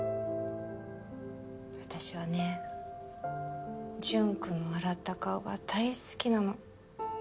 私はね淳くんの笑った顔が大好きなのフフッ。